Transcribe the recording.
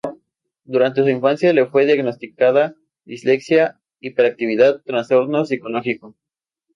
Durante su infancia le fue diagnosticada dislexia, hiperactividad y trastorno psicológico.